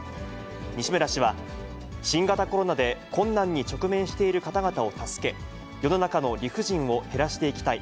西村氏は、新型コロナで困難に直面している方々を助け、世の中の理不尽を減らしていきたい。